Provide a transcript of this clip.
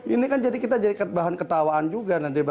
ini kan jadi kita jadi bahan ketawaan juga nanti bagi orang lain